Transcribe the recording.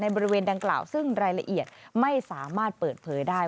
บริเวณดังกล่าวซึ่งรายละเอียดไม่สามารถเปิดเผยได้